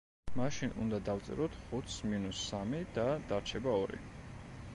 მაშინ უნდა დავწეროთ ხუთს მინუს სამი და დარჩება ორი.